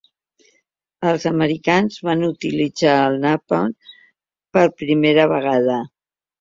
Els americans van utilitzar el napalm per primera vegada.